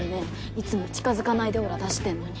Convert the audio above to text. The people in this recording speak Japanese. いつも近づかないでオーラ出してんのに。